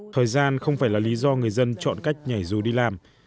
thời gian không phải là lý do người dân chọn cách nhảy dù đi làm